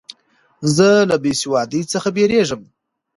زه له بېسوادۍ څخه بېریږم.